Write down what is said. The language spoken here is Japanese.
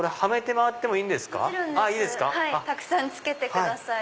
たくさん着けてください